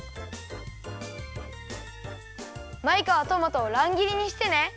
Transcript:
マイカはトマトをらんぎりにしてね。